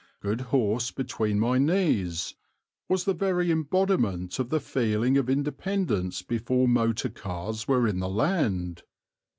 "Good horse between my knees" was the very embodiment of the feeling of independence before motor cars were in the land.